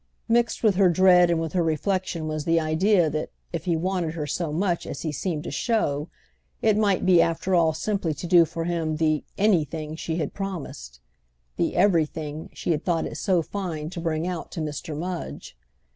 Mixed with her dread and with her reflexion was the idea that, if he wanted her so much as he seemed to show, it might be after all simply to do for him the "anything" she had promised, the "everything" she had thought it so fine to bring out to Mr. Mudge.